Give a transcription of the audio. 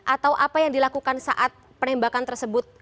atau apa yang dilakukan saat penembakan tersebut